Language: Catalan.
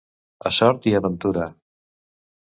A sort i a ventura.